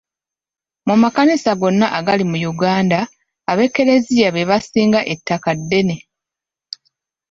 Mu makanisa gonna agali mu Uganda, ab'ekereziya be basinga ettaka ddene.